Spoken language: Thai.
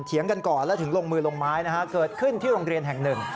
กันก่อนแล้วถึงลงมือลงไม้นะฮะเกิดขึ้นที่โรงเรียนแห่งหนึ่ง